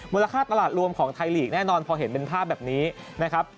ค่าตลาดรวมของไทยลีกแน่นอนพอเห็นเป็นภาพแบบนี้นะครับ